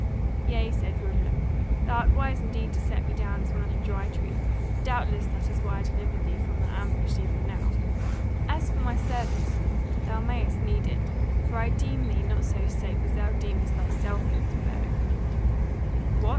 "Yea," said Roger, "thou art wise indeed to set me down as one of the Dry Tree; doubtless that is why I delivered thee from their ambush even now. And as for my service, thou mayst need it; for indeed I deem thee not so safe as thou deemest thyself in this Burg." "What!"